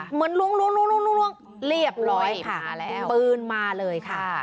เหมือนลุ้งเรียบร้อยผ่านปืนมาเลยค่ะ